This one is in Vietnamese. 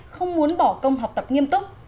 không muốn bỏ công học tập nghiêm túc